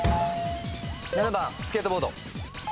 ７番スケートボード。